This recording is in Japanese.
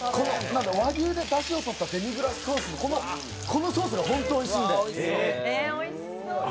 和牛でだしをとったデミグラスソース、このソースが本当においしいんで。